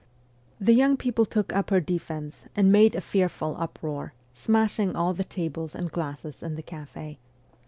The young people took up her defence and made a fearful VOL. II. X 306 uproar, smashing all the tables and glasses in the cafe.